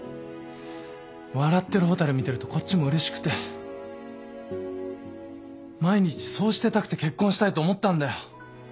笑ってる蛍見てるとこっちもうれしくて毎日そうしてたくて結婚したいと思ったんだよ。